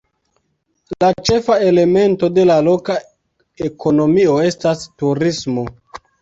La ĉefa elemento de la loka ekonomio estas turismo.